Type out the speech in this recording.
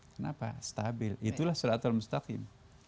kenapa stabil itulah syarat al mustaqim